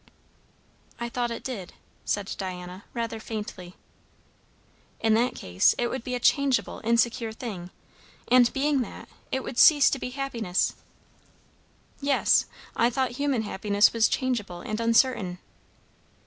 "I thought it did" said Diana rather faintly. "In that case it would be a changeable, insecure thing; and being that, it would cease to be happiness." "Yes. I thought human happiness was changeable and uncertain."